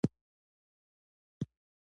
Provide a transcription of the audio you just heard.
راکټ د ځمکې له جاذبې تېریږي